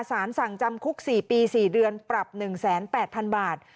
สารสั่งจำคุก๔ปี๔เดือนปรับ๑๘๐๐๐บาท